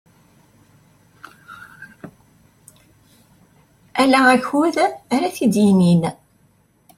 Ala akud ara t-id-yinin.